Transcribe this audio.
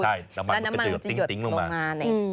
น้ำมันมันก็จะหยดลงมาเลยคุณใช่